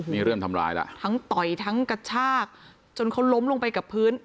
นี่เริ่มทำร้ายแล้วทั้งต่อยทั้งกระชากจนเขาล้มลงไปกับพื้น